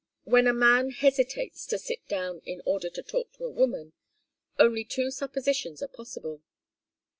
When a man hesitates to sit down in order to talk to a woman, only two suppositions are possible.